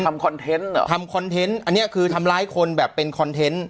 คอนเทนต์เหรอทำคอนเทนต์อันนี้คือทำร้ายคนแบบเป็นคอนเทนต์